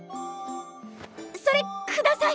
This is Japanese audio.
それください！